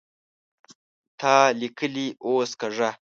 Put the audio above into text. تا ليکلې اوس کږه